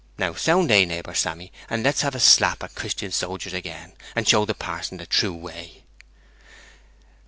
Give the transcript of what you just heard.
'Now sound A, neighbour Sammy, and let's have a slap at Christen sojers again, and show the Pa'son the true way!'